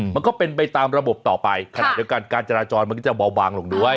มันก็เป็นไปตามระบบต่อไปขณะเดียวกันการจราจรมันก็จะเบาบางลงด้วย